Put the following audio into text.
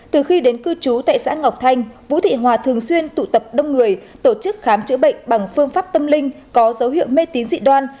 từ khi đến cư trú tại xã ngọc thanh vũ thị hòa thường xuyên tụ tập đông người tổ chức khám chữa bệnh bằng phương pháp tâm linh có dấu hiệu mê tín dị đoan